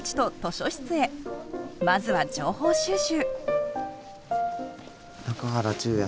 まずは情報収集。